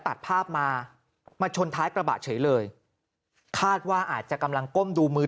ตัดภาพมามาชนท้ายกระบะเฉยเลยคาดว่าอาจจะกำลังก้มดูมือ